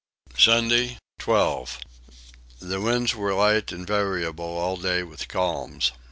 Sunday 12. The winds were light and variable all day with calms.